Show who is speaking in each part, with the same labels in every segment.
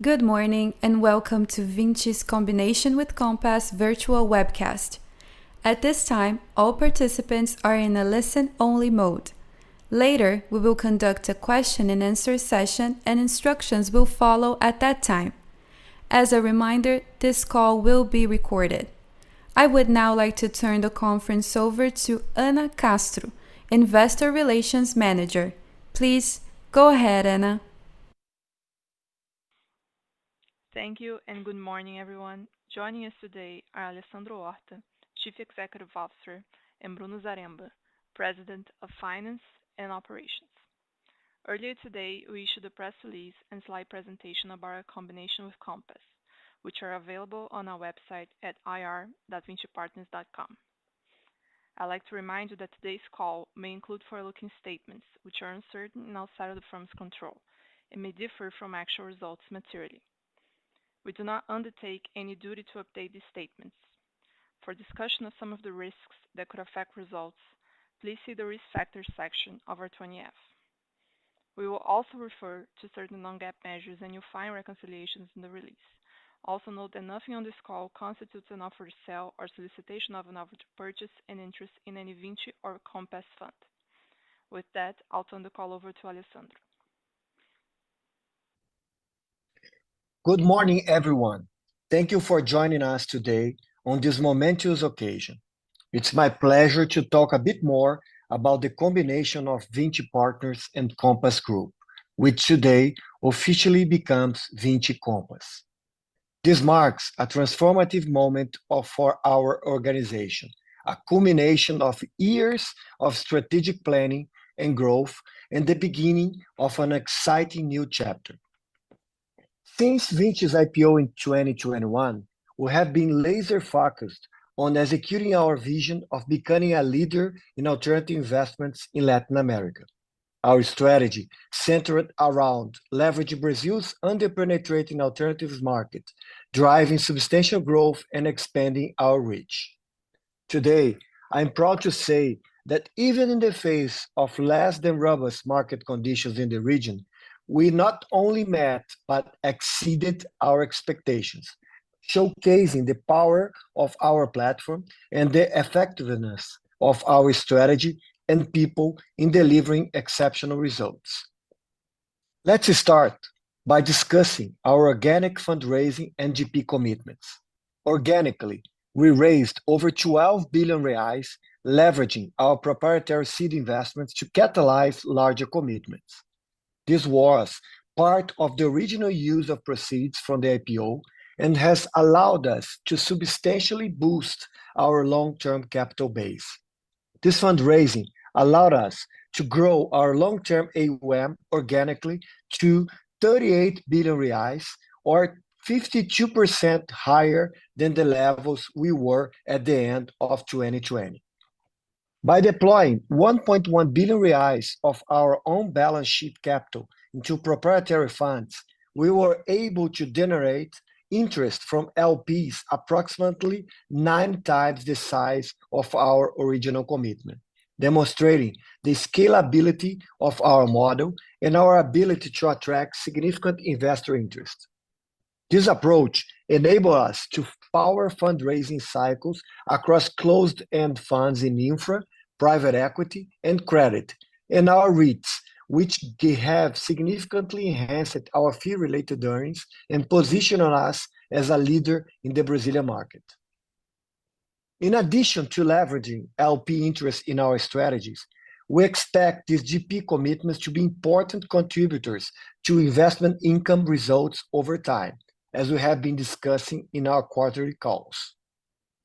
Speaker 1: Good morning and welcome to Vinci's Combination with Compass virtual webcast. At this time, all participants are in a listen-only mode. Later, we will conduct a question-and-answer session, and instructions will follow at that time. As a reminder, this call will be recorded. I would now like to turn the conference over to Anna Castro, Investor Relations Manager. Please go ahead, Anna.
Speaker 2: Thank you and good morning, everyone. Joining us today are Alessandro Horta, Chief Executive Officer, and Bruno Zaremba, President of Finance and Operations. Earlier today, we issued a press release and slide presentation about our combination with Compass, which are available on our website at ir.vincipartners.com. I'd like to remind you that today's call may include forward-looking statements, which are uncertain and outside of the firm's control, and may differ from actual results materially. We do not undertake any duty to update these statements. For discussion of some of the risks that could affect results, please see the Risk Factors section of our 20-F. We will also refer to certain non-GAAP measures and you'll find reconciliations in the release. Also note that nothing on this call constitutes an offer to sell or solicitation of an offer to purchase an interest in any Vinci or Compass fund. With that, I'll turn the call over to Alessandro.
Speaker 3: Good morning, everyone. Thank you for joining us today on this momentous occasion. It's my pleasure to talk a bit more about the combination of Vinci Partners and Compass Group, which today officially becomes Vinci Compass. This marks a transformative moment for our organization, a culmination of years of strategic planning and growth, and the beginning of an exciting new chapter. Since Vinci's IPO in 2021, we have been laser-focused on executing our vision of becoming a leader in alternative investments in Latin America. Our strategy centered around leveraging Brazil's under-penetrating alternative markets, driving substantial growth, and expanding our reach. Today, I'm proud to say that even in the face of less than robust market conditions in the region, we not only met but exceeded our expectations, showcasing the power of our platform and the effectiveness of our strategy and people in delivering exceptional results. Let's start by discussing our organic fundraising and GP commitments. Organically, we raised over 12 billion reais, leveraging our proprietary seed investments to catalyze larger commitments. This was part of the original use of proceeds from the IPO and has allowed us to substantially boost our long-term capital base. This fundraising allowed us to grow our long-term AUM organically to 38 billion reais, or 52% higher than the levels we were at the end of 2020. By deploying 1.1 billion reais of our own balance sheet capital into proprietary funds, we were able to generate interest from LPs approximately nine times the size of our original commitment, demonstrating the scalability of our model and our ability to attract significant investor interest. This approach enabled us to power fundraising cycles across closed-end funds in infra, private equity, and credit, and our REITs, which have significantly enhanced our fee-related earnings and positioned us as a leader in the Brazilian market. In addition to leveraging LP interest in our strategies, we expect these GP commitments to be important contributors to investment income results over time, as we have been discussing in our quarterly calls.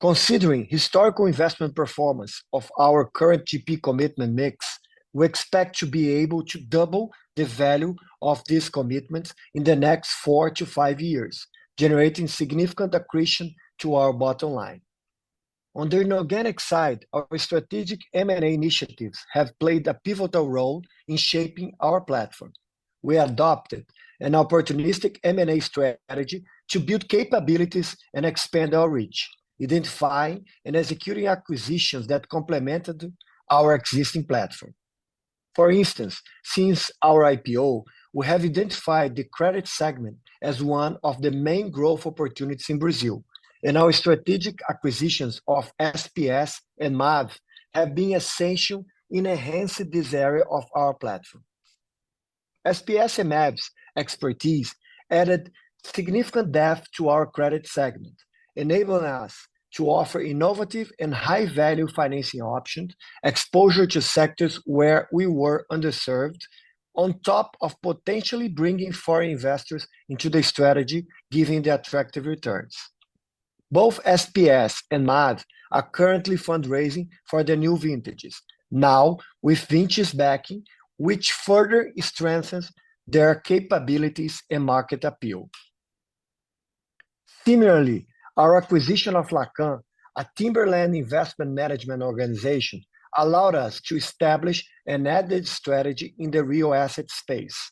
Speaker 3: Considering historical investment performance of our current GP commitment mix, we expect to be able to double the value of these commitments in the next four to five years, generating significant accretion to our bottom line. On the organic side, our strategic M&A initiatives have played a pivotal role in shaping our platform. We adopted an opportunistic M&A strategy to build capabilities and expand our reach, identifying and executing acquisitions that complemented our existing platform. For instance, since our IPO, we have identified the credit segment as one of the main growth opportunities in Brazil, and our strategic acquisitions of SPS and MAV have been essential in enhancing this area of our platform. SPS and MAV's expertise added significant depth to our credit segment, enabling us to offer innovative and high-value financing options, exposure to sectors where we were underserved, on top of potentially bringing foreign investors into the strategy, giving the attractive returns. Both SPS and MAV are currently fundraising for their new vintages, now with Vinci's backing, which further strengthens their capabilities and market appeal. Similarly, our acquisition of Lacan, a Timberland Investment Management Organization, allowed us to establish an added strategy in the real estate space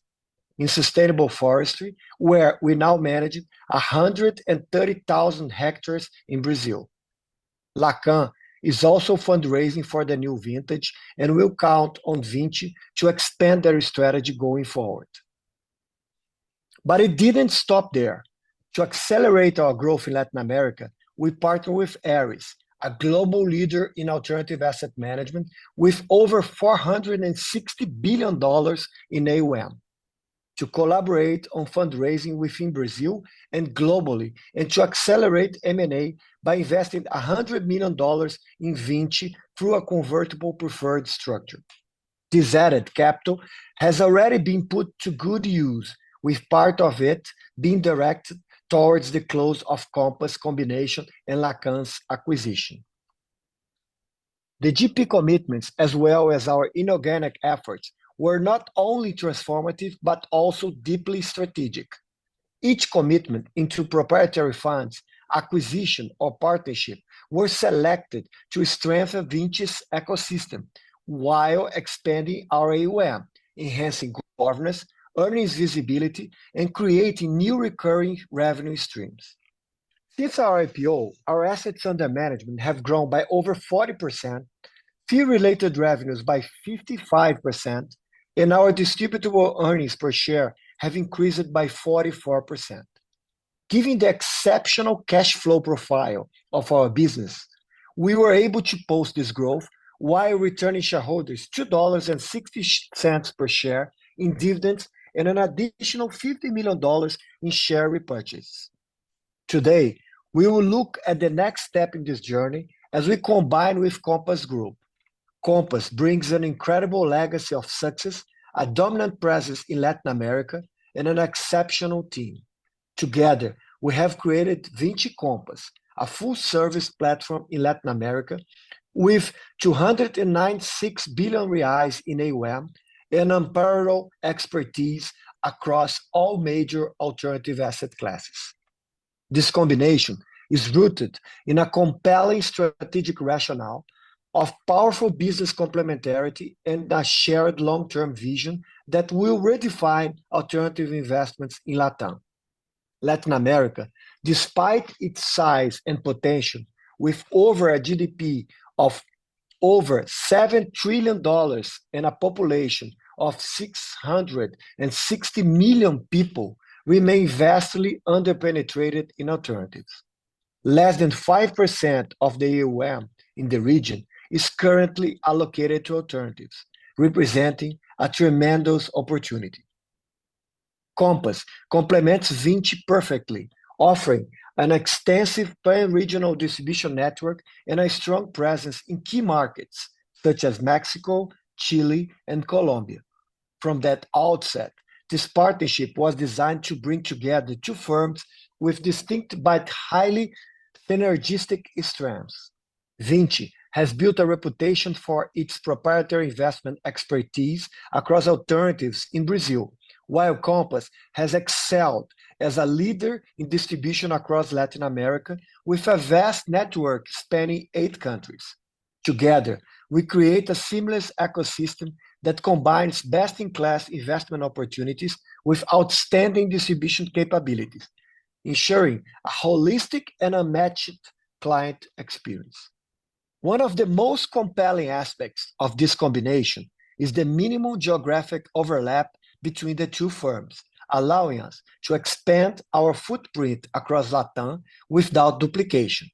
Speaker 3: in sustainable forestry, where we now manage 130,000 hectares in Brazil. Lacan is also fundraising for the new vintage and will count on Vinci to expand their strategy going forward. But it didn't stop there. To accelerate our growth in Latin America, we partnered with Ares, a global leader in alternative asset management with over $460 billion in AUM, to collaborate on fundraising within Brazil and globally, and to accelerate M&A by investing $100 million in Vinci through a convertible preferred structure. This added capital has already been put to good use, with part of it being directed towards the close of Compass combination and Lacan's acquisition. The GP commitments, as well as our inorganic efforts, were not only transformative but also deeply strategic. Each commitment into proprietary funds, acquisition, or partnership were selected to strengthen Vinci's ecosystem while expanding our AUM, enhancing governance, earnings visibility, and creating new recurring revenue streams. Since our IPO, our assets under management have grown by over 40%, fee-related revenues by 55%, and our distributable earnings per share have increased by 44%. Given the exceptional cash flow profile of our business, we were able to post this growth while returning shareholders $2.60 per share in dividends and an additional $50 million in share repurchase. Today, we will look at the next step in this journey as we combine with Compass Group. Compass brings an incredible legacy of success, a dominant presence in Latin America, and an exceptional team. Together, we have created Vinci Compass, a full-service platform in Latin America with 296 billion reais in AUM and unparalleled expertise across all major alternative asset classes. This combination is rooted in a compelling strategic rationale of powerful business complementarity and a shared long-term vision that will redefine alternative investments in LatAm. Latin America, despite its size and potential, with over a GDP of over $7 trillion and a population of 660 million people, remains vastly under-penetrated in alternatives. Less than 5% of the AUM in the region is currently allocated to alternatives, representing a tremendous opportunity. Compass complements Vinci perfectly, offering an extensive pan-regional distribution network and a strong presence in key markets such as Mexico, Chile, and Colombia. From the outset, this partnership was designed to bring together two firms with distinct but highly synergistic strengths. Vinci has built a reputation for its proprietary investment expertise across alternatives in Brazil, while Compass has excelled as a leader in distribution across Latin America, with a vast network spanning eight countries. Together, we create a seamless ecosystem that combines best-in-class investment opportunities with outstanding distribution capabilities, ensuring a holistic and unmatched client experience. One of the most compelling aspects of this combination is the minimal geographic overlap between the two firms, allowing us to expand our footprint across LatAm without duplication.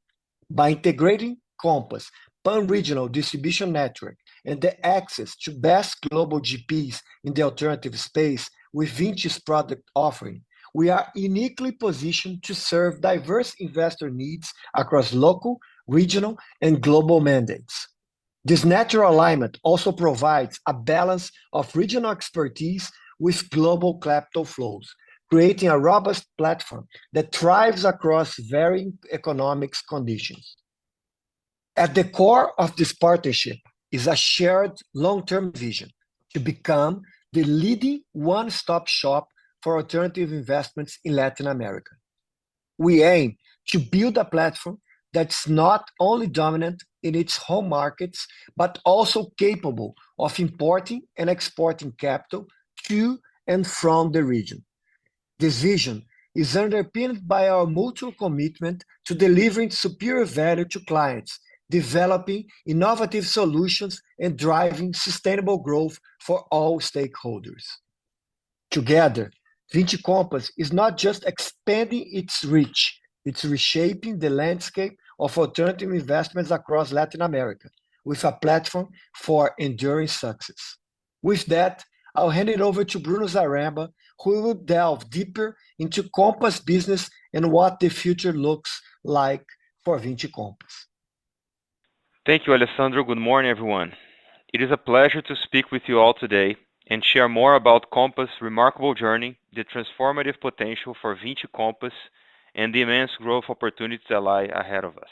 Speaker 3: By integrating Compass' pan-regional distribution network and the access to best global GPs in the alternative space with Vinci's product offering, we are uniquely positioned to serve diverse investor needs across local, regional, and global mandates. This natural alignment also provides a balance of regional expertise with global capital flows, creating a robust platform that thrives across varying economic conditions. At the core of this partnership is a shared long-term vision to become the leading one-stop shop for alternative investments in Latin America. We aim to build a platform that's not only dominant in its home markets but also capable of importing and exporting capital to and from the region. This vision is underpinned by our mutual commitment to delivering superior value to clients, developing innovative solutions, and driving sustainable growth for all stakeholders. Together, Vinci Compass is not just expanding its reach. It's reshaping the landscape of alternative investments across Latin America with a platform for enduring success. With that, I'll hand it over to Bruno Zaremba, who will delve deeper into Compass business and what the future looks like for Vinci Compass.
Speaker 4: Thank you, Alessandro. Good morning, everyone. It is a pleasure to speak with you all today and share more about Compass' remarkable journey, the transformative potential for Vinci Compass, and the immense growth opportunities that lie ahead of us.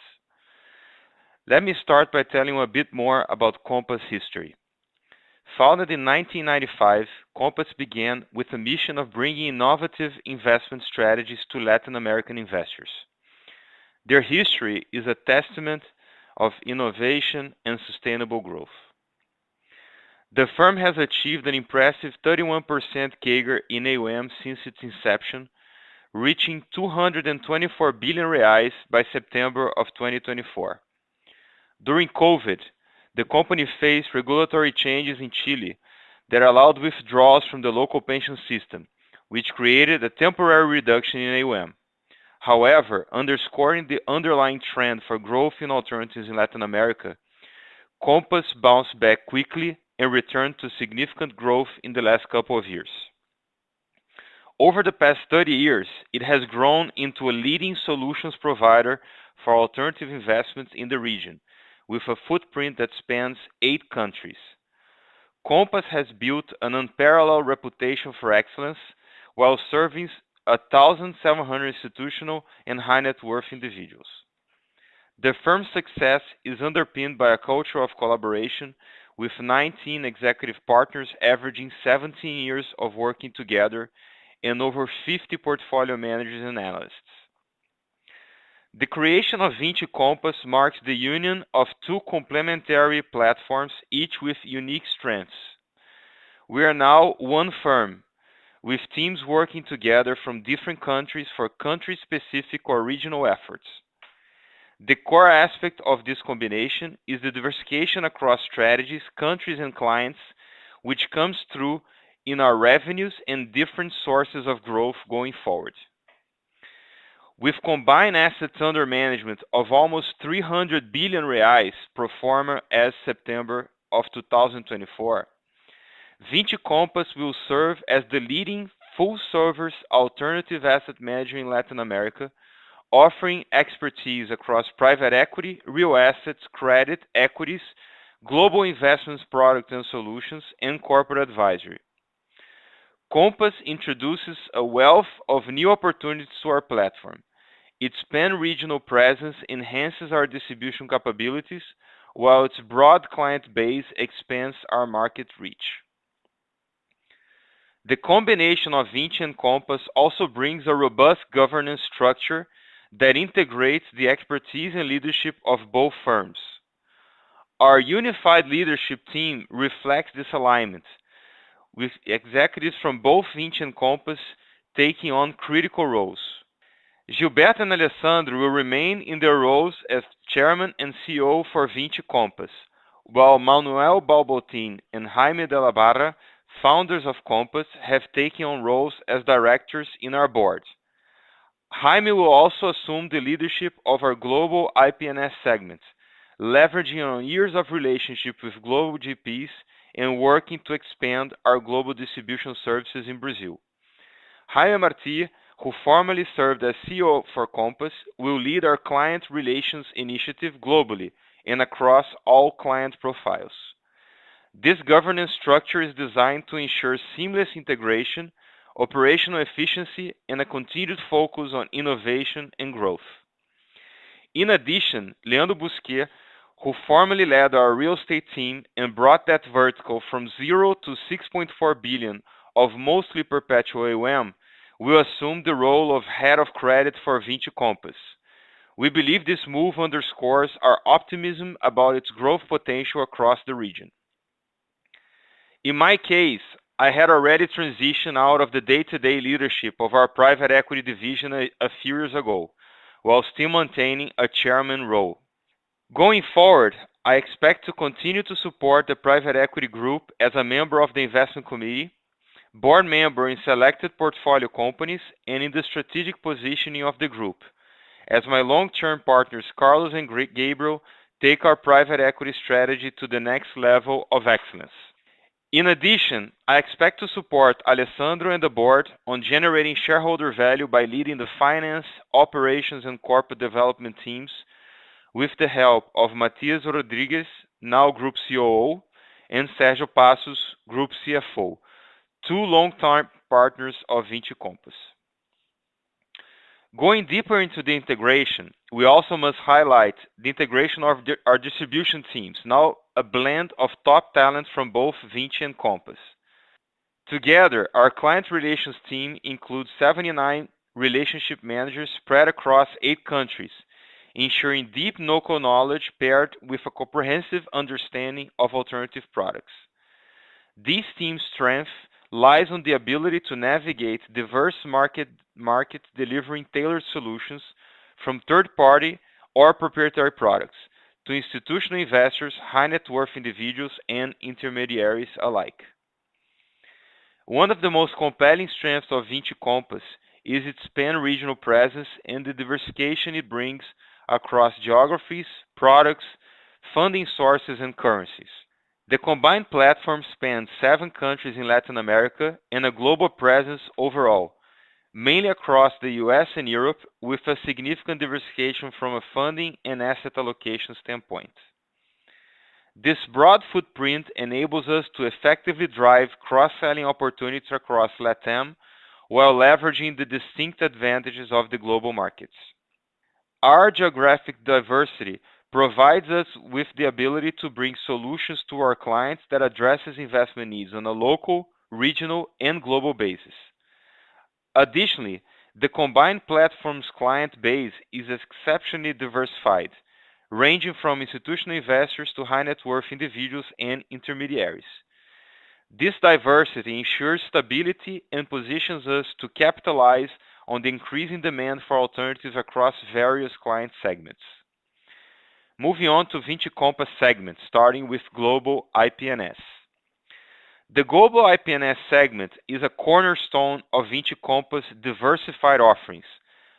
Speaker 4: Let me start by telling you a bit more about Compass' history. Founded in 1995, Compass began with a mission of bringing innovative investment strategies to Latin American investors. Their history is a testament of innovation and sustainable growth. The firm has achieved an impressive 31% CAGR in AUM since its inception, reaching 224 billion reais by September of 2024. During COVID, the company faced regulatory changes in Chile that allowed withdrawals from the local pension system, which created a temporary reduction in AUM. However, underscoring the underlying trend for growth in alternatives in Latin America, Compass bounced back quickly and returned to significant growth in the last couple of years. Over the past 30 years, it has grown into a leading solutions provider for alternative investments in the region, with a footprint that spans eight countries. Compass has built an unparalleled reputation for excellence while serving 1,700 institutional and high-net-worth individuals. The firm's success is underpinned by a culture of collaboration with 19 executive partners averaging 17 years of working together and over 50 portfolio managers and analysts. The creation of Vinci Compass marks the union of two complementary platforms, each with unique strengths. We are now one firm, with teams working together from different countries for country-specific or regional efforts. The core aspect of this combination is the diversification across strategies, countries, and clients, which comes through in our revenues and different sources of growth going forward. With combined assets under management of almost 300 billion reais per firm as of September of 2024, Vinci Compass will serve as the leading full-service alternative asset manager in Latin America, offering expertise across private equity, real estate, credit equities, global investment products and solutions, and corporate advisory. Compass introduces a wealth of new opportunities to our platform. Its pan-regional presence enhances our distribution capabilities, while its broad client base expands our market reach. The combination of Vinci and Compass also brings a robust governance structure that integrates the expertise and leadership of both firms. Our unified leadership team reflects this alignment, with executives from both Vinci and Compass taking on critical roles. Gilberto and Alessandro will remain in their roles as Chairman and CEO for Vinci Compass, while Manuel Balbontin and Jaime de la Barra, founders of Compass, have taken on roles as directors on our board. Jaime will also assume the leadership of our Global IP&S segment, leveraging our years of relationship with global GPs and working to expand our global distribution services in Brazil. Jaime Martí, who formerly served as CEO for Compass, will lead our client relations initiative globally and across all client profiles. This governance structure is designed to ensure seamless integration, operational efficiency, and a continued focus on innovation and growth. In addition, Leandro Bousquet, who formerly led our real estate team and brought that vertical from 0-6.4 billion of mostly perpetual AUM, will assume the role of head of credit for Vinci Compass. We believe this move underscores our optimism about its growth potential across the region. In my case, I had already transitioned out of the day-to-day leadership of our private equity division a few years ago, while still maintaining a chairman role. Going forward, I expect to continue to support the private equity group as a member of the investment committee, board member in selected portfolio companies, and in the strategic positioning of the group, as my long-term partners, Carlos and Gabriel, take our private equity strategy to the next level of excellence. In addition, I expect to support Alessandro and the board on generating shareholder value by leading the finance, operations, and corporate development teams with the help of Matías Rodríguez, now Group COO, and Sergio Passos, Group CFO, two long-time partners of Vinci Compass. Going deeper into the integration, we also must highlight the integration of our distribution teams, now a blend of top talent from both Vinci and Compass. Together, our client relations team includes 79 relationship managers spread across eight countries, ensuring deep local knowledge paired with a comprehensive understanding of alternative products. These team strengths lie in the ability to navigate diverse markets, delivering tailored solutions from third-party or proprietary products to institutional investors, high-net-worth individuals, and intermediaries alike. One of the most compelling strengths of Vinci Compass is its pan-regional presence and the diversification it brings across geographies, products, funding sources, and currencies. The combined platform spans seven countries in Latin America and a global presence overall, mainly across the U.S. and Europe, with a significant diversification from a funding and asset allocation standpoint. This broad footprint enables us to effectively drive cross-selling opportunities across LatAm while leveraging the distinct advantages of the global markets. Our geographic diversity provides us with the ability to bring solutions to our clients that address investment needs on a local, regional, and global basis. Additionally, the combined platform's client base is exceptionally diversified, ranging from institutional investors to high-net-worth individuals and intermediaries. This diversity ensures stability and positions us to capitalize on the increasing demand for alternatives across various client segments. Moving on to Vinci Compass segment, starting with Global IP&S. The Global IP&S segment is a cornerstone of Vinci Compass's diversified offerings,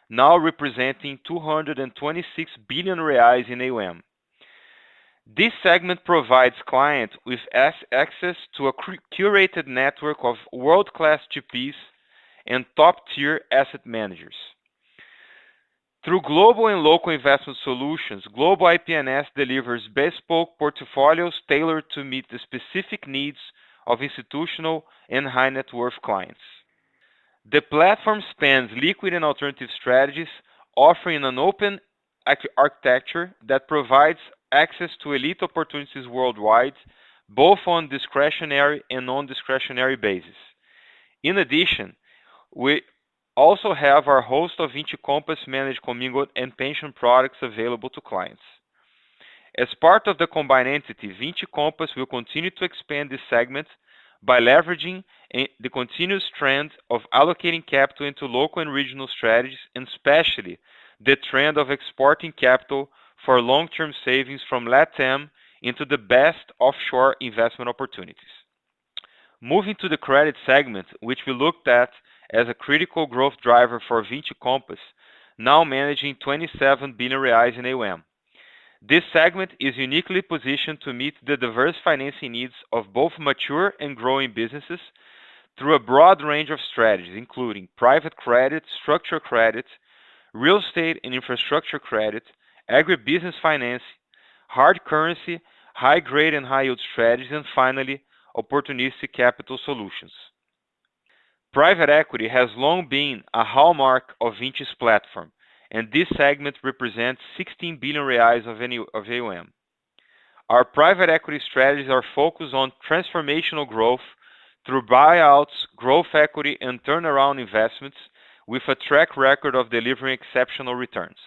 Speaker 4: now representing 226 billion reais in AUM. This segment provides clients with access to a curated network of world-class GPs and top-tier asset managers. Through global and local investment solutions, Global IP&S delivers bespoke portfolios tailored to meet the specific needs of institutional and high-net-worth clients. The platform spans liquid and alternative strategies, offering an open architecture that provides access to elite opportunities worldwide, both on a discretionary and non-discretionary basis. In addition, we also have our host of Vinci Compass-managed commingled and pension products available to clients. As part of the combined entity, Vinci Compass will continue to expand this segment by leveraging the continuous trend of allocating capital into local and regional strategies, and especially the trend of exporting capital for long-term savings from LatAm into the best offshore investment opportunities. Moving to the credit segment, which we looked at as a critical growth driver for Vinci Compass, now managing 27 billion in AUM. This segment is uniquely positioned to meet the diverse financing needs of both mature and growing businesses through a broad range of strategies, including private credit, structural credit, real estate and infrastructure credit, agribusiness financing, hard currency, high-grade and high-yield strategies, and finally, opportunistic capital solutions. Private equity has long been a hallmark of Vinci's platform, and this segment represents 16 billion reais of AUM. Our private equity strategies are focused on transformational growth through buyouts, growth equity, and turnaround investments, with a track record of delivering exceptional returns.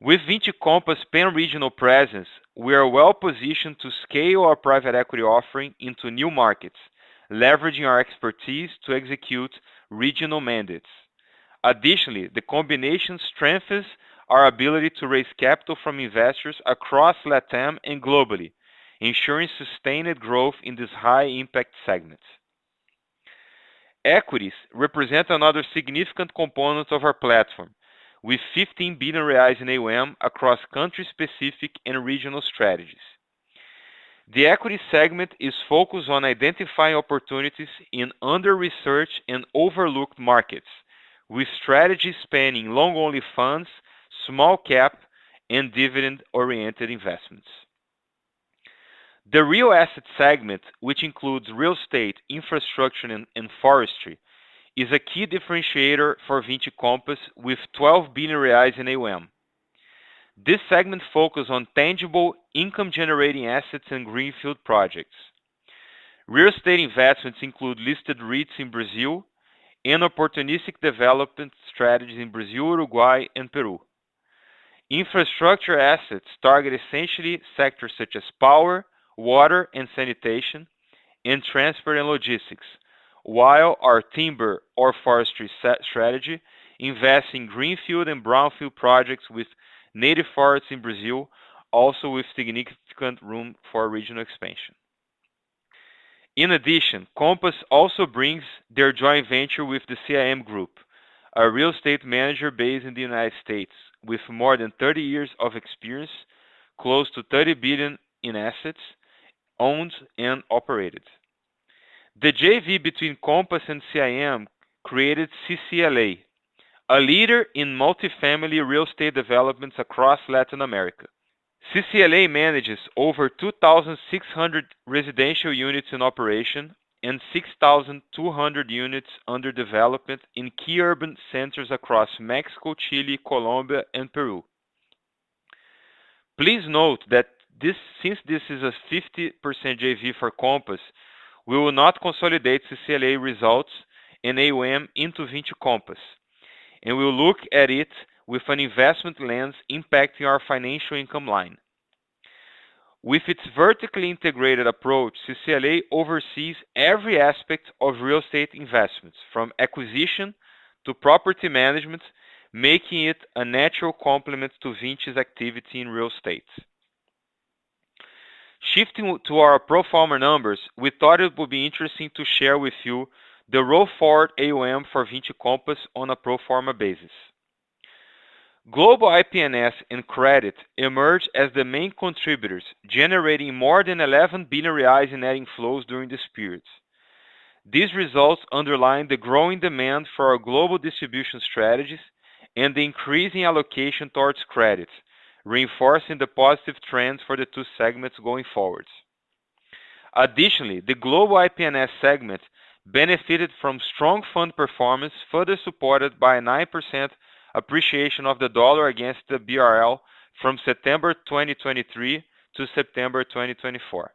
Speaker 4: With Vinci Compass's pan-regional presence, we are well-positioned to scale our private equity offering into new markets, leveraging our expertise to execute regional mandates. Additionally, the combination strengthens our ability to raise capital from investors across LatAm and globally, ensuring sustained growth in this high-impact segment. Equities represent another significant component of our platform, with 15 billion reais in AUM across country-specific and regional strategies. The equity segment is focused on identifying opportunities in under-researched and overlooked markets, with strategies spanning long-only funds, small-cap, and dividend-oriented investments. The real estate segment, which includes real estate, infrastructure, and forestry, is a key differentiator for Vinci Compass, with 12 billion reais in AUM. This segment focuses on tangible, income-generating assets and greenfield projects. Real estate investments include listed REITs in Brazil and opportunistic development strategies in Brazil, Uruguay, and Peru. Infrastructure assets target essentially sectors such as power, water and sanitation, and transport and logistics, while our timber or forestry strategy invests in greenfield and brownfield projects with native forests in Brazil, also with significant room for regional expansion. In addition, Compass also brings their joint venture with the CIM Group, a real estate manager based in the United States, with more than 30 years of experience, close to $30 billion in assets owned and operated. The JV between Compass and CIM created CCLA, a leader in multifamily real estate developments across Latin America. CCLA manages over 2,600 residential units in operation and 6,200 units under development in key urban centers across Mexico, Chile, Colombia, and Peru. Please note that since this is a 50% JV for Compass, we will not consolidate CCLA results and AUM into Vinci Compass, and we'll look at it with an investment lens impacting our financial income line. With its vertically integrated approach, CCLA oversees every aspect of real estate investments, from acquisition to property management, making it a natural complement to Vinci's activity in real estate. Shifting to our pro forma numbers, we thought it would be interesting to share with you the roadmap forward AUM for Vinci Compass on a pro forma basis. Global IP&S and credit emerged as the main contributors, generating more than 11 billion in inflows during the periods. These results underline the growing demand for our global distribution strategies and the increasing allocation towards credit, reinforcing the positive trends for the two segments going forward. Additionally, the Global IP&S segment benefited from strong fund performance, further supported by a 9% appreciation of the dollar against the BRL from September 2023 to September 2024.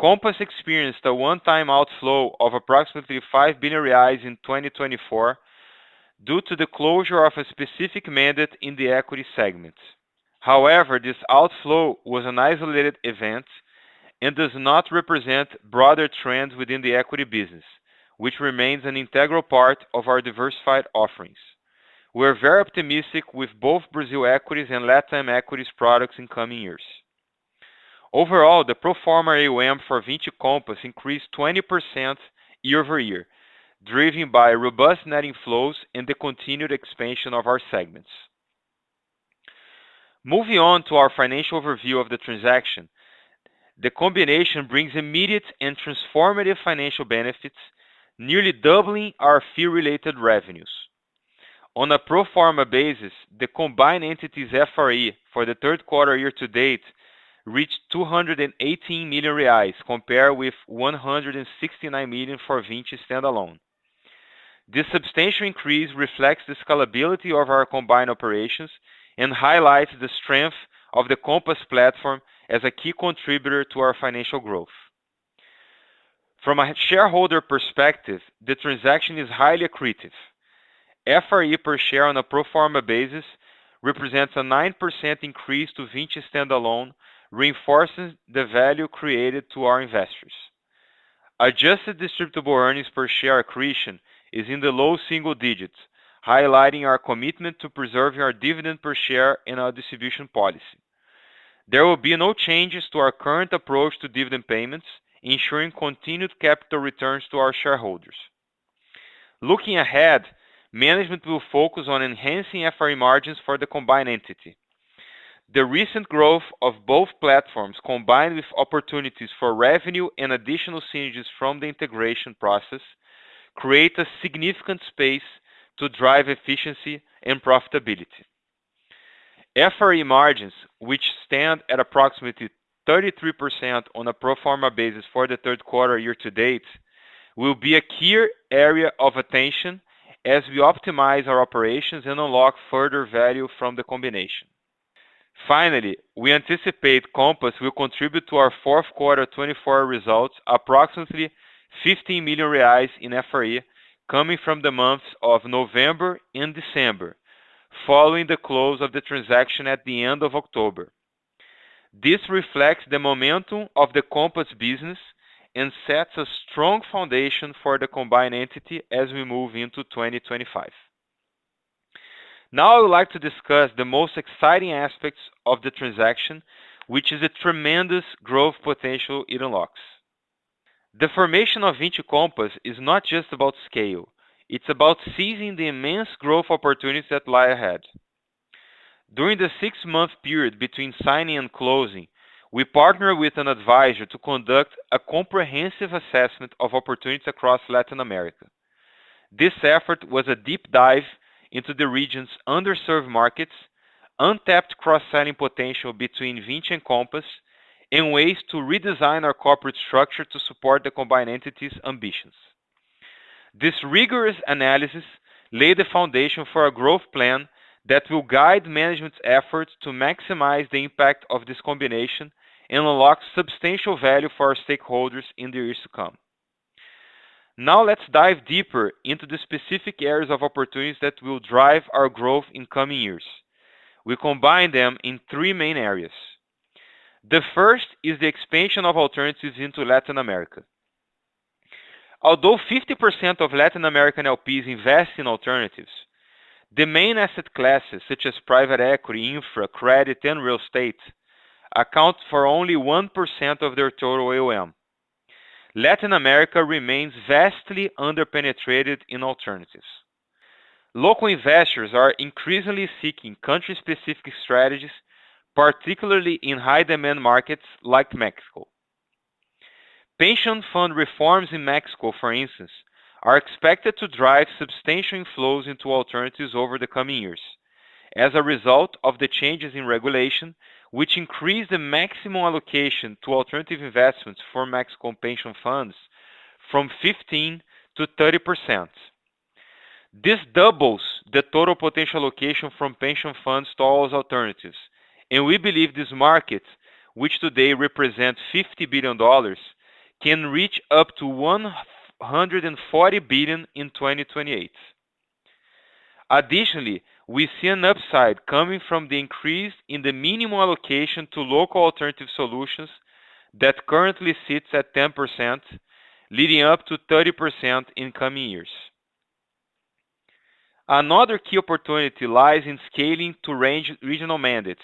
Speaker 4: Compass experienced a one-time outflow of approximately 5 billion reais in 2024 due to the closure of a specific mandate in the equity segment. However, this outflow was an isolated event and does not represent broader trends within the equity business, which remains an integral part of our diversified offerings. We are very optimistic with both Brazil equities and LatAm equities products in coming years. Overall, the pro forma AUM for Vinci Compass increased 20% year-over-year, driven by robust netting flows and the continued expansion of our segments. Moving on to our financial overview of the transaction, the combination brings immediate and transformative financial benefits, nearly doubling our fee-related revenues. On a pro forma basis, the combined entity's FRE for the third quarter year to date reached 218 million reais, compared with 169 million for Vinci standalone. This substantial increase reflects the scalability of our combined operations and highlights the strength of the Compass platform as a key contributor to our financial growth. From a shareholder perspective, the transaction is highly accretive. FRE per share on a pro forma basis represents a 9% increase to Vinci standalone, reinforcing the value created to our investors. Adjusted distributable earnings per share accretion is in the low single digits, highlighting our commitment to preserving our dividend per share and our distribution policy. There will be no changes to our current approach to dividend payments, ensuring continued capital returns to our shareholders. Looking ahead, management will focus on enhancing FRE margins for the combined entity. The recent growth of both platforms, combined with opportunities for revenue and additional synergies from the integration process, creates a significant space to drive efficiency and profitability. FRE margins, which stand at approximately 33% on a pro forma basis for the third quarter year to date, will be a key area of attention as we optimize our operations and unlock further value from the combination. Finally, we anticipate Compass will contribute to our fourth quarter 2024 results approximately 15 million reais in FRE coming from the months of November and December, following the close of the transaction at the end of October. This reflects the momentum of the Compass business and sets a strong foundation for the combined entity as we move into 2025. Now I would like to discuss the most exciting aspects of the transaction, which is the tremendous growth potential it unlocks. The formation of Vinci Compass is not just about scale. It's about seizing the immense growth opportunities that lie ahead. During the six-month period between signing and closing, we partnered with an advisor to conduct a comprehensive assessment of opportunities across Latin America. This effort was a deep dive into the region's underserved markets, untapped cross-selling potential between Vinci and Compass, and ways to redesign our corporate structure to support the combined entity's ambitions. This rigorous analysis laid the foundation for a growth plan that will guide management's efforts to maximize the impact of this combination and unlock substantial value for our stakeholders in the years to come. Now let's dive deeper into the specific areas of opportunities that will drive our growth in coming years. We combine them in three main areas. The first is the expansion of alternatives into Latin America. Although 50% of Latin American LPs invest in alternatives, the main asset classes, such as private equity, infra, credit, and real estate, account for only 1% of their total AUM. Latin America remains vastly under-penetrated in alternatives. Local investors are increasingly seeking country-specific strategies, particularly in high-demand markets like Mexico. Pension fund reforms in Mexico, for instance, are expected to drive substantial inflows into alternatives over the coming years. As a result of the changes in regulation, which increased the maximum allocation to alternative investments for Mexican pension funds from 15%-30%. This doubles the total potential allocation from pension funds to all alternatives, and we believe this market, which today represents $50 billion, can reach up to $140 billion in 2028. Additionally, we see an upside coming from the increase in the minimum allocation to local alternative solutions that currently sits at 10%, leading up to 30% in coming years. Another key opportunity lies in scaling to regional mandates,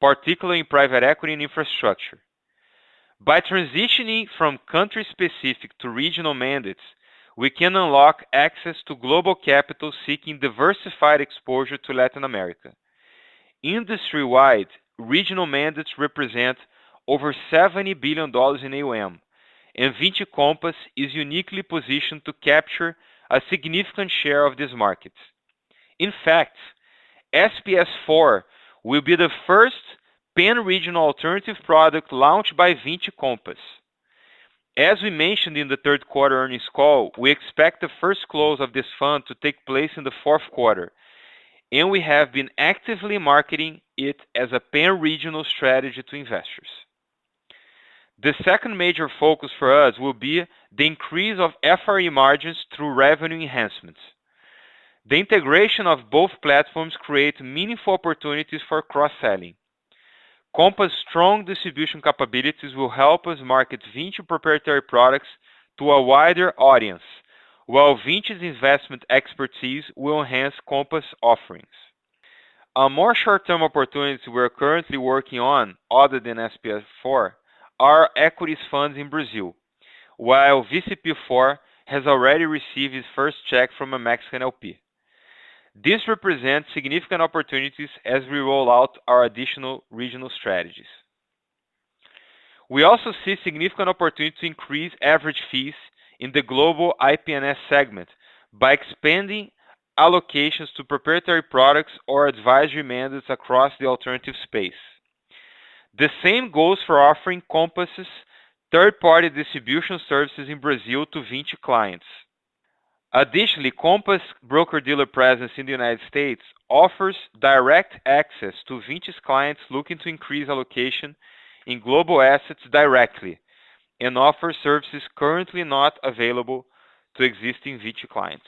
Speaker 4: particularly in private equity and infrastructure. By transitioning from country-specific to regional mandates, we can unlock access to global capital seeking diversified exposure to Latin America. Industry-wide, regional mandates represent over $70 billion in AUM, and Vinci Compass is uniquely positioned to capture a significant share of these markets. In fact, SPS IV will be the first pan-regional alternative product launched by Vinci Compass. As we mentioned in the third quarter earnings call, we expect the first close of this fund to take place in the fourth quarter, and we have been actively marketing it as a pan-regional strategy to investors. The second major focus for us will be the increase of FRE margins through revenue enhancements. The integration of both platforms creates meaningful opportunities for cross-selling. Compass's strong distribution capabilities will help us market Vinci proprietary products to a wider audience, while Vinci's investment expertise will enhance Compass's offerings. A more short-term opportunity we are currently working on, other than SPS IV, are equities funds in Brazil, while VCP IV has already received its first check from a Mexican LP. This represents significant opportunities as we roll out our additional regional strategies. We also see significant opportunities to increase average fees in the Global IP&S segment by expanding allocations to proprietary products or advisory mandates across the alternative space. The same goes for offering Compass's third-party distribution services in Brazil to Vinci clients. Additionally, Compass's broker-dealer presence in the United States offers direct access to Vinci's clients looking to increase allocation in global assets directly and offers services currently not available to existing Vinci clients.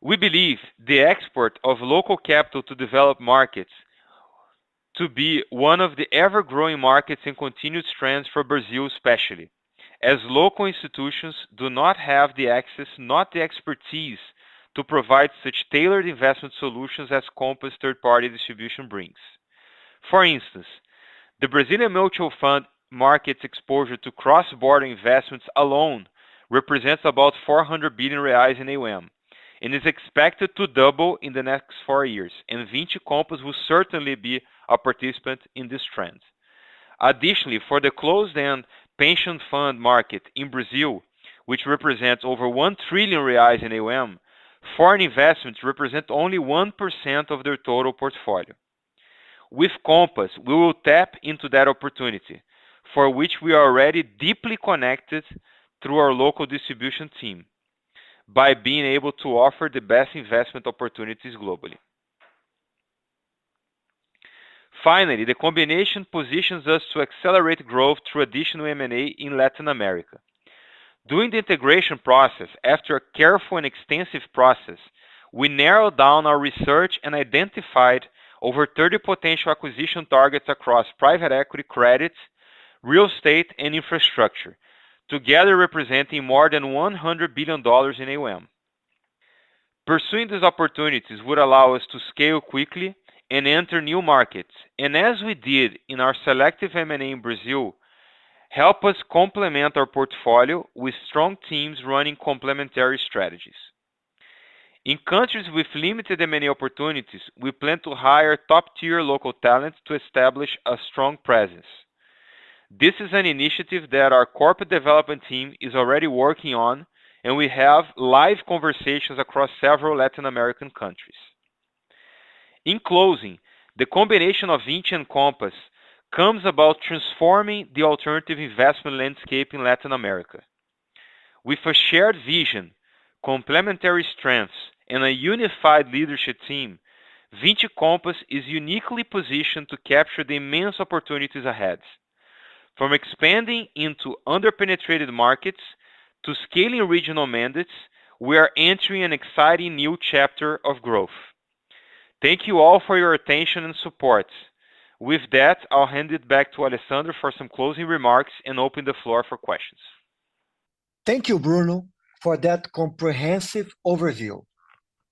Speaker 4: We believe the export of local capital to developed markets to be one of the ever-growing markets and continued strengths for Brazil, especially as local institutions do not have the access, not the expertise, to provide such tailored investment solutions as Compass's third-party distribution brings. For instance, the Brazilian mutual fund market's exposure to cross-border investments alone represents about 400 billion reais in AUM and is expected to double in the next four years, and Vinci Compass will certainly be a participant in this trend. Additionally, for the closed-end pension fund market in Brazil, which represents over 1 trillion reais in AUM, foreign investments represent only 1% of their total portfolio. With Compass, we will tap into that opportunity, for which we are already deeply connected through our local distribution team, by being able to offer the best investment opportunities globally. Finally, the combination positions us to accelerate growth through additional M&A in Latin America. During the integration process, after a careful and extensive process, we narrowed down our research and identified over 30 potential acquisition targets across private equity, credit, real estate, and infrastructure, together representing more than $100 billion in AUM. Pursuing these opportunities would allow us to scale quickly and enter new markets, and as we did in our selective M&A in Brazil, help us complement our portfolio with strong teams running complementary strategies. In countries with limited M&A opportunities, we plan to hire top-tier local talent to establish a strong presence. This is an initiative that our corporate development team is already working on, and we have live conversations across several Latin American countries. In closing, the combination of Vinci and Compass comes about, transforming the alternative investment landscape in Latin America. With a shared vision, complementary strengths, and a unified leadership team, Vinci Compass is uniquely positioned to capture the immense opportunities ahead. From expanding into under-penetrated markets to scaling regional mandates, we are entering an exciting new chapter of growth. Thank you all for your attention and support. With that, I'll hand it back to Alessandro for some closing remarks and open the floor for questions.
Speaker 3: Thank you, Bruno, for that comprehensive overview.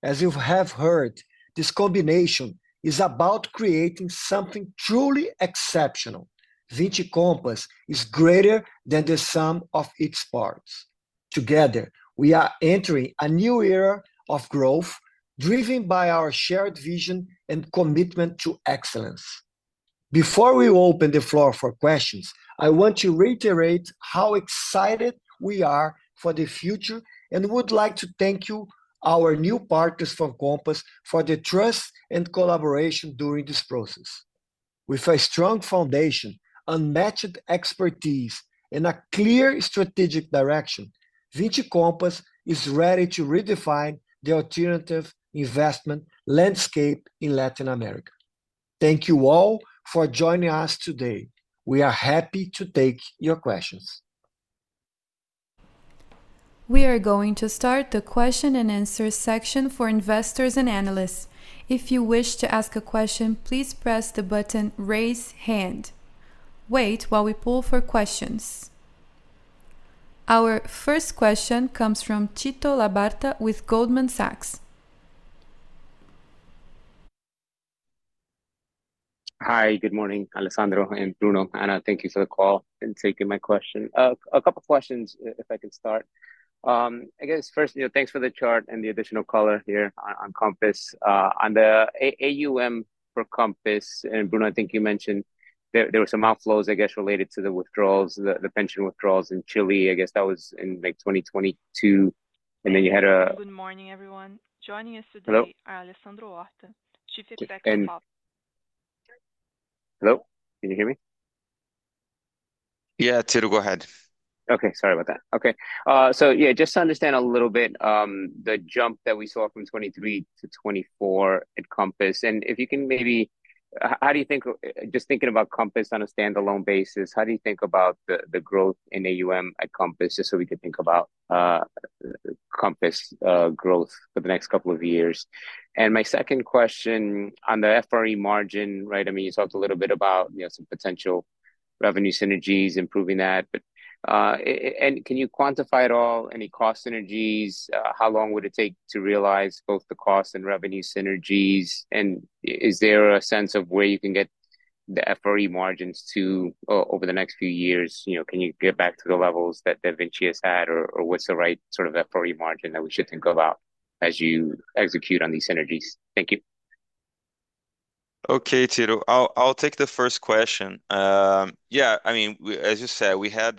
Speaker 3: As you have heard, this combination is about creating something truly exceptional. Vinci Compass is greater than the sum of its parts. Together, we are entering a new era of growth, driven by our shared vision and commitment to excellence. Before we open the floor for questions, I want to reiterate how excited we are for the future and would like to thank you, our new partners from Compass, for the trust and collaboration during this process. With a strong foundation, unmatched expertise, and a clear strategic direction, Vinci Compass is ready to redefine the alternative investment landscape in Latin America. Thank you all for joining us today. We are happy to take your questions.
Speaker 1: We are going to start the question and answer section for investors and analysts. If you wish to ask a question, please press the button raise hand. Wait while we poll for questions. Our first question comes from Tito Labarta with Goldman Sachs.
Speaker 5: Hi, good morning, Alessandro and Bruno. Anna, thank you for the call and taking my question. A couple of questions, if I can start. I guess first, you know, thanks for the chart and the additional color here on Compass. On the AUM for Compass, and Bruno, I think you mentioned there were some outflows, I guess, related to the withdrawals, the pension withdrawals in Chile. I guess that was in like 2022, and then you had a.
Speaker 1: Good morning, everyone. Joining us today are Alessandro Horta, Chief Executive Officer.
Speaker 5: Hello. Can you hear me?
Speaker 3: Yeah, Tito, go ahead.
Speaker 5: Okay, sorry about that. Okay, so yeah, just to understand a little bit the jump that we saw from 2023 to 2024 at Compass, and if you can maybe, how do you think, just thinking about Compass on a standalone basis, how do you think about the growth in AUM at Compass, just so we could think about Compass growth for the next couple of years? And my second question on the FRE margin, right, I mean, you talked a little bit about, you know, some potential revenue synergies, improving that, but, and can you quantify it all? Any cost synergies? How long would it take to realize both the cost and revenue synergies? And is there a sense of where you can get the FRE margins to over the next few years? You know, can you get back to the levels that Vinci has had, or what's the right sort of FRE margin that we should think about as you execute on these synergies? Thank you.
Speaker 4: Okay. Tito, I'll take the first question. Yeah, I mean, as you said, we had,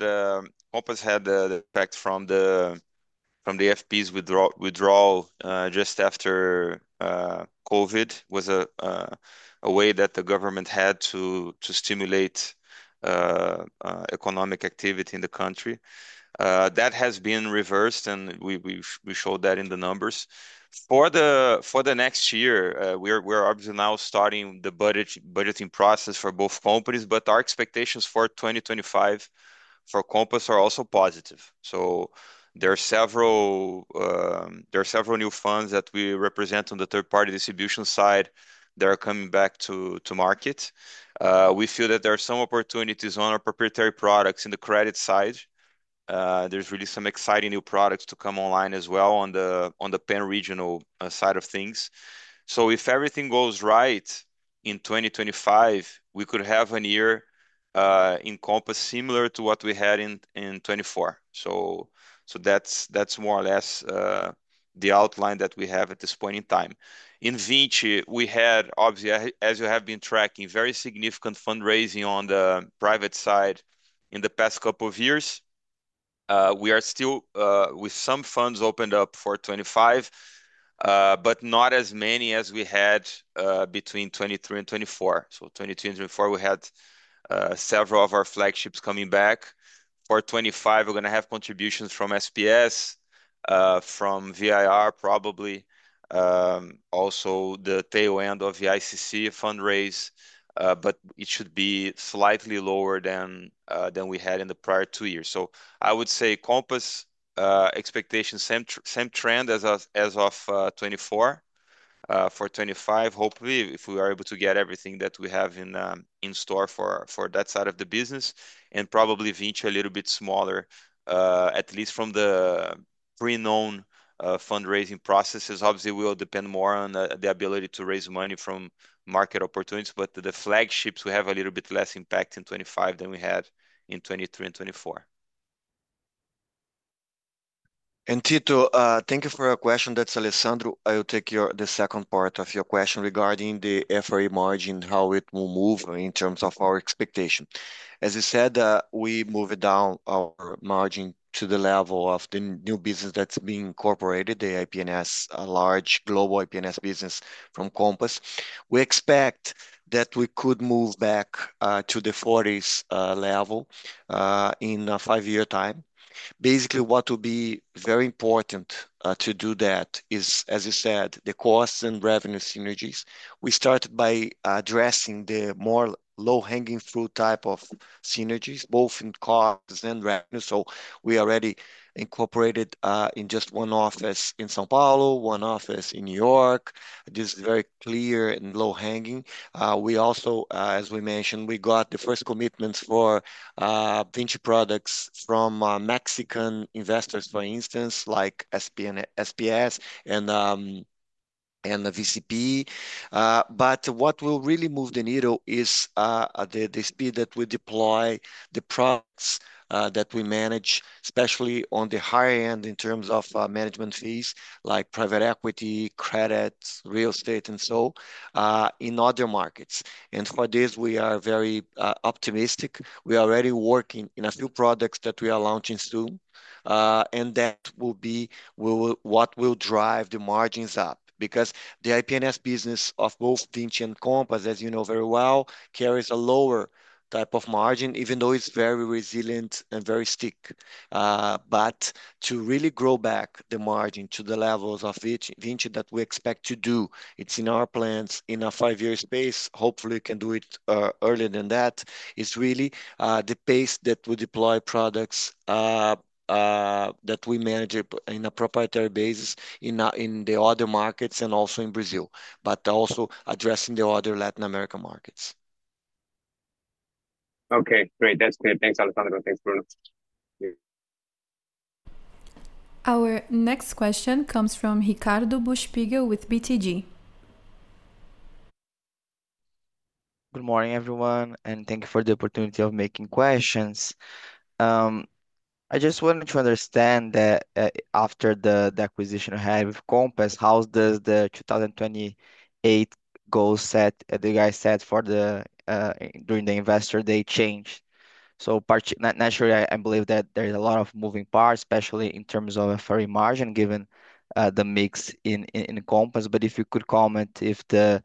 Speaker 4: Compass had the effect from the FPs withdrawal just after COVID, was a way that the government had to stimulate economic activity in the country. That has been reversed, and we showed that in the numbers. For the next year, we're obviously now starting the budgeting process for both companies, but our expectations for 2025 for Compass are also positive. So there are several, there are several new funds that we represent on the third-party distribution side that are coming back to market. We feel that there are some opportunities on our proprietary products in the credit side. There's really some exciting new products to come online as well on the pan-regional side of things. So if everything goes right in 2025, we could have a year in Compass similar to what we had in 2024. So that's more or less the outline that we have at this point in time. In Vinci, we had, obviously, as you have been tracking, very significant fundraising on the private side in the past couple of years. We are still with some funds opened up for 2025, but not as many as we had between 2023 and 2024. So 2023 and 2024, we had several of our flagships coming back. For 2025, we're going to have contributions from SPS, from VIR probably, also the tail end of the VICC fundraise, but it should be slightly lower than we had in the prior two years. I would say Compass expectations, same trend as of 2024. For 2025, hopefully, if we are able to get everything that we have in store for that side of the business, and probably Vinci a little bit smaller, at least from the pre-known fundraising processes, obviously will depend more on the ability to raise money from market opportunities, but the flagships we have a little bit less impact in 2025 than we had in 2023 and 2024.
Speaker 3: Tito, thank you for your question. That's Alessandro. I'll take the second part of your question regarding the FRE margin, how it will move in terms of our expectation. As you said, we moved down our margin to the level of the new business that's being incorporated, the IP&S, a large Global IP&S business from Compass. We expect that we could move back to the '40s level in a five-year time. Basically, what will be very important to do that is, as you said, the costs and revenue synergies. We started by addressing the more low-hanging fruit type of synergies, both in costs and revenue, so we already incorporated in just one office in São Paulo, one office in New York. This is very clear and low-hanging. We also, as we mentioned, we got the first commitments for Vinci products from Mexican investors, for instance, like SPS and VCP. But what will really move the needle is the speed that we deploy the products that we manage, especially on the higher end in terms of management fees, like private equity, credit, real estate, and so on, in other markets, and for this, we are very optimistic. We are already working on a few products that we are launching soon, and that will be what will drive the margins up, because the IP&S business of both Vinci and Compass, as you know very well, carries a lower type of margin, even though it's very resilient and very sticky. But to really grow back the margin to the levels of Vinci that we expect to do, it's in our plans in a five-year space. Hopefully, we can do it earlier than that. It's really the pace that we deploy products that we manage in a proprietary basis in the other markets and also in Brazil, but also addressing the other Latin American markets.
Speaker 5: Okay, great. That's good. Thanks, Alessandro. Thanks, Bruno.
Speaker 1: Our next question comes from Ricardo Buchpiguel with BTG.
Speaker 6: Good morning, everyone, and thank you for the opportunity of making questions. I just wanted to understand that after the acquisition ahead with Compass, how does the 2028 goal set that you guys set for the during the investor day change? So naturally, I believe that there's a lot of moving parts, especially in terms of FRE margin given the mix in Compass. But if you could comment, if the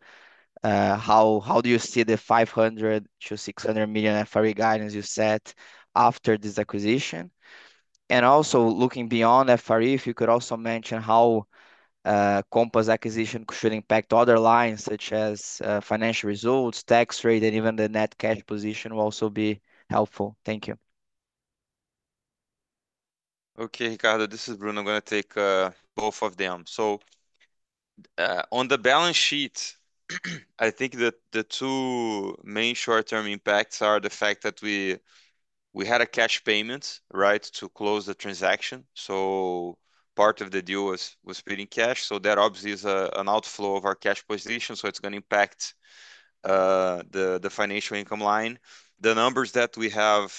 Speaker 6: how do you see the 500 million-600 million FRE guidance you set after this acquisition? And also looking beyond FRE, if you could also mention how Compass acquisition should impact other lines such as financial results, tax rate, and even the net cash position will also be helpful. Thank you.
Speaker 4: Okay, Ricardo, this is Bruno. I'm going to take both of them. So on the balance sheet, I think that the two main short-term impacts are the fact that we had a cash payment, right, to close the transaction. So part of the deal was paid in cash. So that obviously is an outflow of our cash position. So it's going to impact the financial income line. The numbers that we have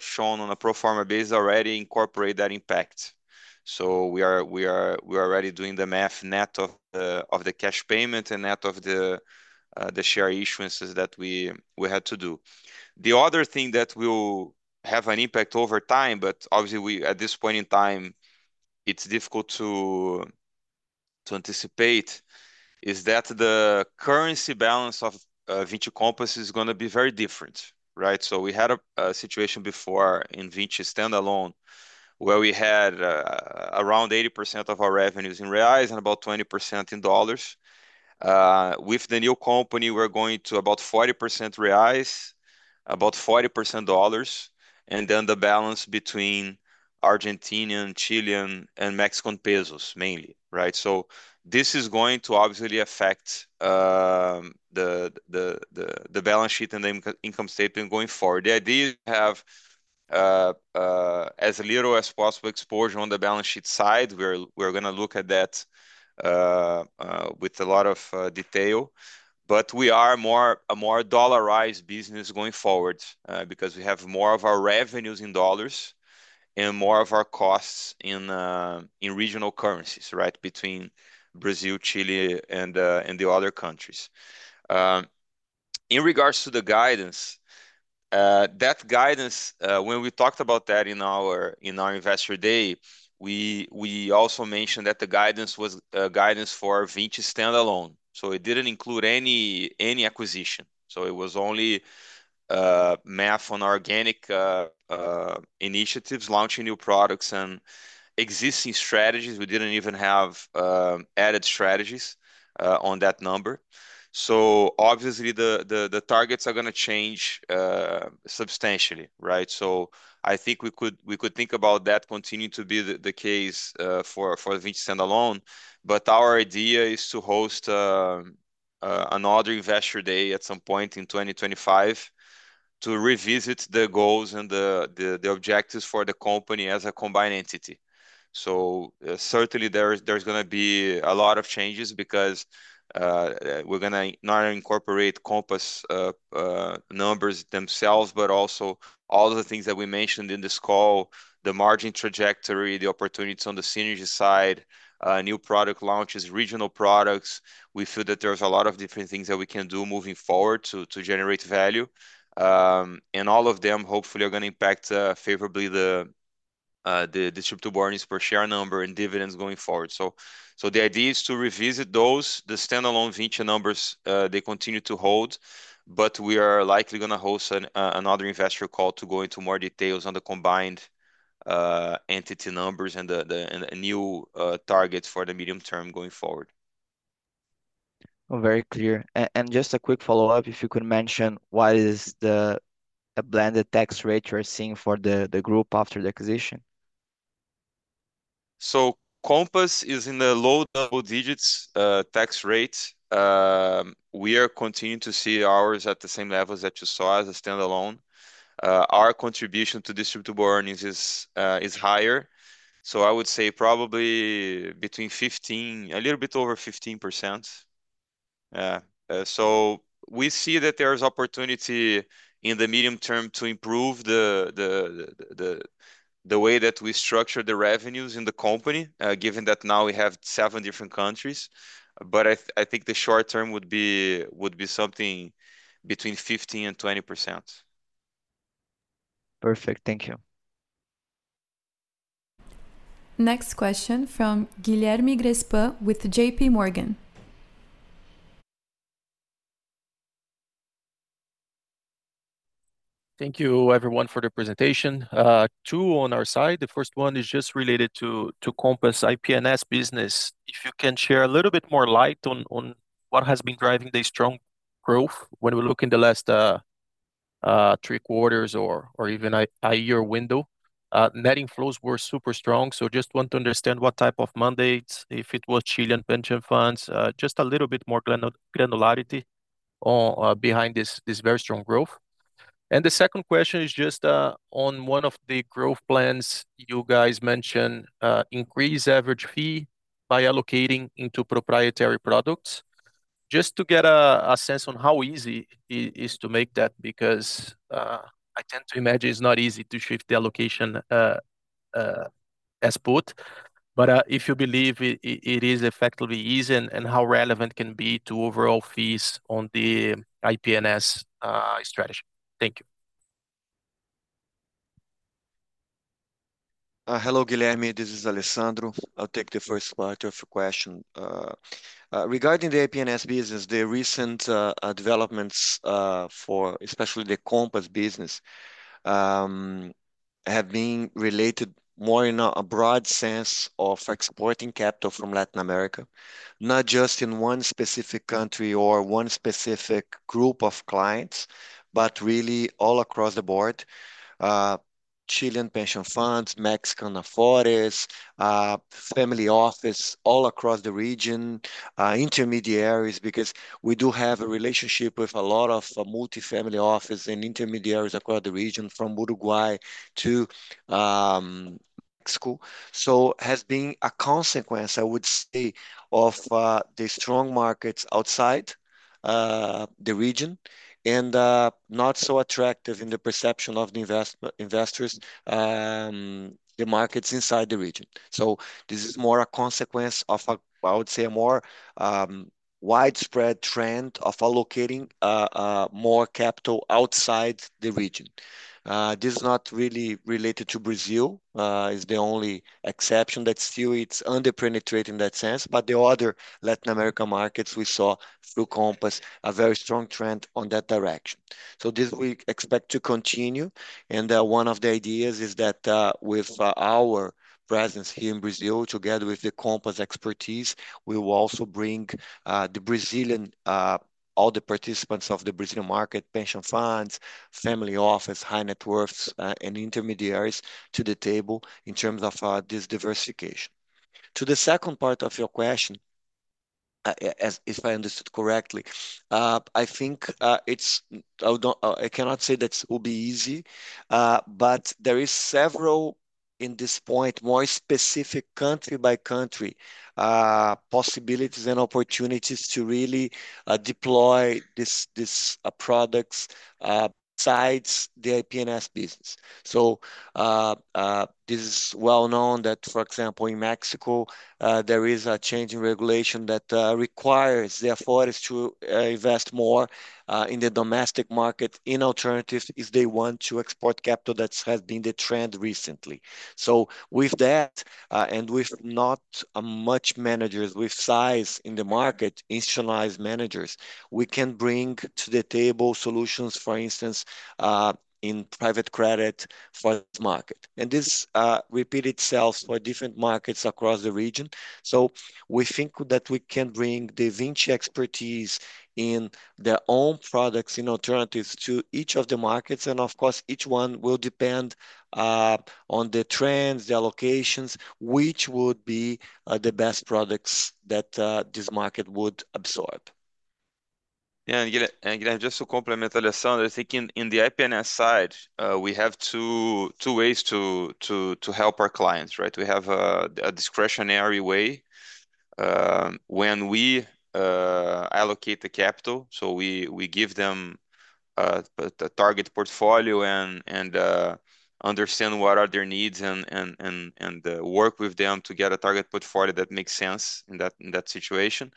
Speaker 4: shown on a pro forma basis already incorporate that impact. So we are already doing the math net of the cash payment and net of the share issuances that we had to do. The other thing that will have an impact over time, but obviously at this point in time, it's difficult to anticipate, is that the currency balance of Vinci Compass is going to be very different, right? So we had a situation before in Vinci standalone where we had around 80% of our revenues in reais and about 20% in dollars. With the new company, we're going to about 40% reais, about 40% dollars, and then the balance between Argentinian, Chilean, and Mexican pesos mainly, right? So this is going to obviously affect the balance sheet and the income statement going forward. The idea is to have as little as possible exposure on the balance sheet side. We're going to look at that with a lot of detail. But we are a more dollarized business going forward because we have more of our revenues in dollars and more of our costs in regional currencies, right, between Brazil, Chile, and the other countries. In regards to the guidance, that guidance, when we talked about that in our investor day, we also mentioned that the guidance was guidance for Vinci standalone. So it didn't include any acquisition. So it was only math on organic initiatives, launching new products and existing strategies. We didn't even have added strategies on that number. So obviously, the targets are going to change substantially, right? So I think we could think about that continuing to be the case for Vinci standalone. But our idea is to host another investor day at some point in 2025 to revisit the goals and the objectives for the company as a combined entity. So certainly, there's going to be a lot of changes because we're going to not only incorporate Compass numbers themselves, but also all the things that we mentioned in this call, the margin trajectory, the opportunities on the synergy side, new product launches, regional products. We feel that there's a lot of different things that we can do moving forward to generate value. And all of them, hopefully, are going to impact favorably the distributable earnings per share number and dividends going forward. So the idea is to revisit those, the standalone Vinci numbers. They continue to hold, but we are likely going to host another investor call to go into more details on the combined entity numbers and the new targets for the medium term going forward. Very clear. And just a quick follow-up, if you could mention what is the blended tax rate you're seeing for the group after the acquisition? So Compass is in the low double digits tax rate. We are continuing to see ours at the same levels that you saw as a standalone. Our contribution to distributable earnings is higher. So I would say probably between 15%, a little bit over 15%. So we see that there's opportunity in the medium term to improve the way that we structure the revenues in the company, given that now we have seven different countries. But I think the short term would be something between 15%-20%.
Speaker 6: Perfect. Thank you.
Speaker 1: Next question from Guilherme Grespan with J.P. Morgan.
Speaker 7: Thank you, everyone, for the presentation. Two on our side. The first one is just related to Compass IP&S business. If you can share a little bit more light on what has been driving the strong growth when we look in the last three quarters or even a year window, net inflows were super strong. So just want to understand what type of mandates, if it was Chilean pension funds, just a little bit more granularity behind this very strong growth. And the second question is just on one of the growth plans you guys mentioned, increase average fee by allocating into proprietary products. Just to get a sense on how easy it is to make that, because I tend to imagine it's not easy to shift the allocation as put. But if you believe it is effectively easy and how relevant can be to overall fees on the IP&S strategy. Thank you.
Speaker 3: Hello, Guilherme. This is Alessandro. I'll take the first part of your question. Regarding the IP&S business, the recent developments for especially the Compass business have been related more in a broad sense of exporting capital from Latin America, not just in one specific country or one specific group of clients, but really all across the board, Chilean pension funds, Mexican AFOREs, family office, all across the region, intermediaries, because we do have a relationship with a lot of multi-family offices and intermediaries across the region from Uruguay to Mexico. So it has been a consequence, I would say, of the strong markets outside the region and not so attractive in the perception of the investors, the markets inside the region. So this is more a consequence of, I would say, a more widespread trend of allocating more capital outside the region. This is not really related to Brazil. It's the only exception that still it's under-penetrated in that sense, but the other Latin American markets we saw through Compass, a very strong trend on that direction. So this we expect to continue. And one of the ideas is that with our presence here in Brazil, together with the Compass expertise, we will also bring the Brazilian, all the participants of the Brazilian market, pension funds, family office, high net worths, and intermediaries to the table in terms of this diversification. To the second part of your question, if I understood correctly, I think it's I cannot say that it will be easy, but there are several at this point, more specific country by country possibilities and opportunities to really deploy these products besides the IP&S business, so this is well known that, for example, in Mexico, there is a change in regulation that requires the AFORES to invest more in the domestic market in alternatives if they want to export capital that has been the trend recently, so with that, and with not many managers, with size in the market, institutional managers, we can bring to the table solutions, for instance, in private credit for this market, and this repeats itself for different markets across the region, so we think that we can bring the Vinci expertise in their own products in alternatives to each of the markets. And of course, each one will depend on the trends, the allocations, which would be the best products that this market would absorb.
Speaker 4: Yeah, and Guilherme, just to complement Alessandro, I think in the IP&S side, we have two ways to help our clients, right? We have a discretionary way when we allocate the capital. So we give them a target portfolio and understand what are their needs and work with them to get a target portfolio that makes sense in that situation.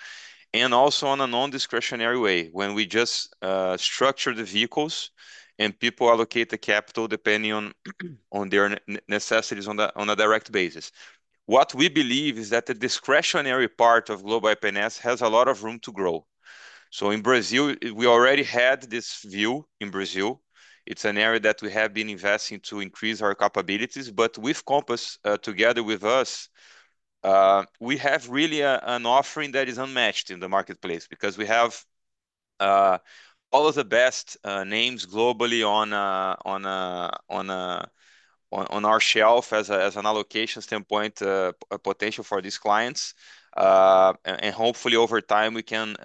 Speaker 4: And also on a non-discretionary way, when we just structure the vehicles and people allocate the capital depending on their necessities on a direct basis. What we believe is that the discretionary part of Global IP&S has a lot of room to grow. So in Brazil, we already had this view. It's an area that we have been investing to increase our capabilities. But with Compass, together with us, we have really an offering that is unmatched in the marketplace because we have all of the best names globally on our shelf as an allocation standpoint, potential for these clients. And hopefully, over time, we can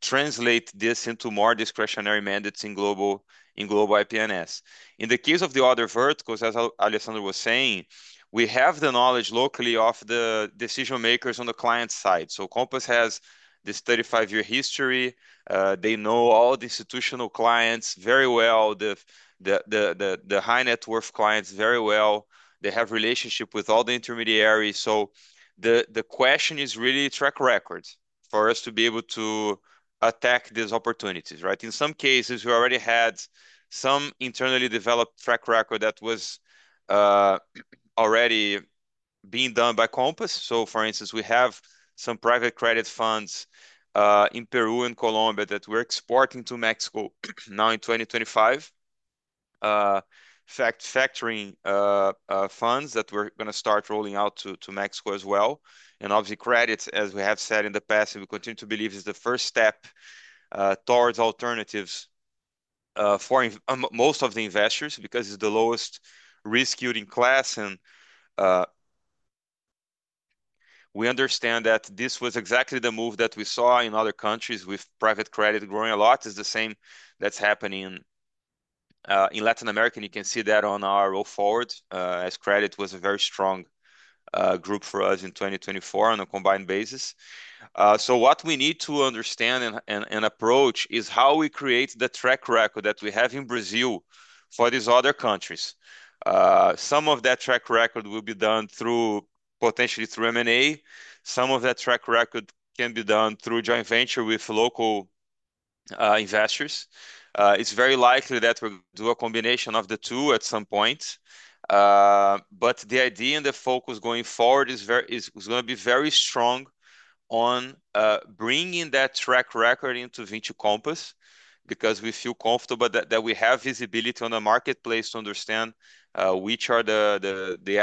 Speaker 4: translate this into more discretionary mandates in Global IP&S. In the case of the other verticals, as Alessandro was saying, we have the knowledge locally of the decision makers on the client side. So Compass has this 35-year history. They know all the institutional clients very well, the high-net-worth clients very well. They have relationships with all the intermediaries. So the question is really track record for us to be able to attack these opportunities, right? In some cases, we already had some internally developed track record that was already being done by Compass. So for instance, we have some private credit funds in Peru and Colombia that we're exporting to Mexico now in 2025, factoring funds that we're going to start rolling out to Mexico as well. And obviously, credits, as we have said in the past, and we continue to believe is the first step towards alternatives for most of the investors because it's the lowest risk yielding class. And we understand that this was exactly the move that we saw in other countries with private credit growing a lot. It's the same that's happening in Latin America. And you can see that on our roll forward as credit was a very strong group for us in 2024 on a combined basis. So what we need to understand and approach is how we create the track record that we have in Brazil for these other countries. Some of that track record will be done potentially through M&A. Some of that track record can be done through joint venture with local investors. It's very likely that we're going to do a combination of the two at some point. But the idea and the focus going forward is going to be very strong on bringing that track record into Vinci Compass because we feel comfortable that we have visibility on the marketplace to understand which are the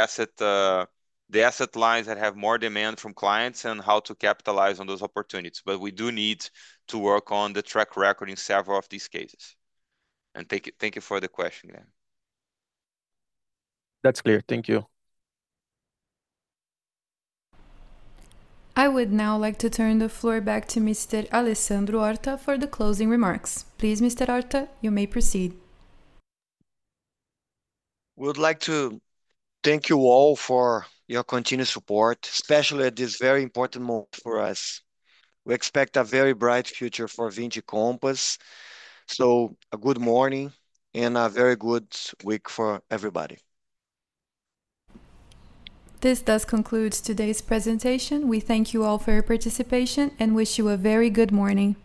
Speaker 4: asset lines that have more demand from clients and how to capitalize on those opportunities. But we do need to work on the track record in several of these cases. And thank you for the question, Guilherme.
Speaker 7: That's clear. Thank you.
Speaker 1: I would now like to turn the floor back to Mr. Alessandro Horta for the closing remarks. Please, Mr. Horta, you may proceed.
Speaker 3: We would like to thank you all for your continued support, especially at this very important moment for us. We expect a very bright future for Vinci Compass. So a good morning and a very good week for everybody. This does conclude today's presentation. We thank you all for your participation and wish you a very good morning.